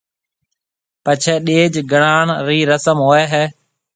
پڇيَ ڏيَج گڻاڻ رِي رسم ھوئيَ ھيََََ